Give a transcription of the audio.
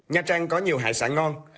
nha trang có nhiều hải sản ngon